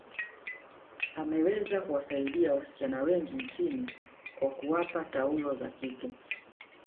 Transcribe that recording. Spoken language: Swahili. ameweza kuwasaidia wasichana wengi nchini kwa kuwapa taulo za kike